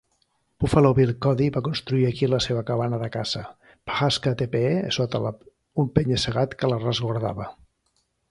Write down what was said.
Buffalo Bill Cody va construir aquí la seva cabana de caça, Pahaska Teepee, sota un penya-segat que la resguardava.